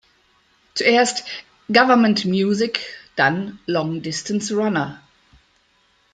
Zuerst "Government Music", dann "Long Distance Runner".